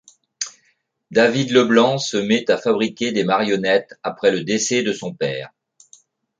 David Leblanc se met à fabriquer des marionnettes après le décès de son père.